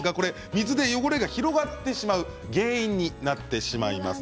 水でこれが広がってしまう原因になってしまいます。